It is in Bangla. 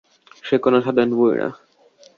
সে কোন সাধারণ বুড়ি না।